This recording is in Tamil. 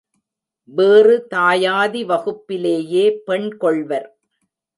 வேறு தாயாதி வகுப்பிலேயே பெண் கொள்வர்.